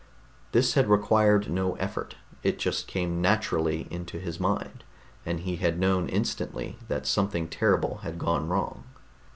This had required no effort; it just came naturally into his mind, and he had known instantly that something terrible had gone wrong.